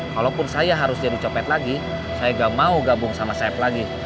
kalaupun saya harus jadi copet lagi saya nggak mau gabung sama sayap lagi